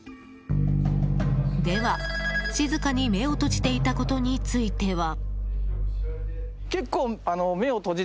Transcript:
では、静かに目を閉じていたことについては。